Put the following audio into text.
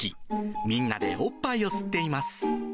みんなでおっぱいを吸っています。